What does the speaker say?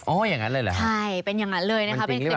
เป็นคลิปที่มีคนดูมันเยอะ